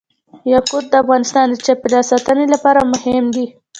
یاقوت د افغانستان د چاپیریال ساتنې لپاره مهم دي.